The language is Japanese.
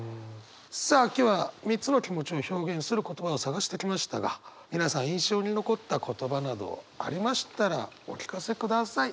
さあ今日は３つの気持ちを表現する言葉を探してきましたが皆さん印象に残った言葉などありましたらお聞かせください。